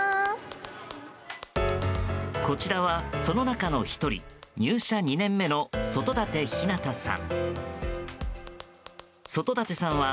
こちらは、その中の１人入社２年目の外舘ひなたさん。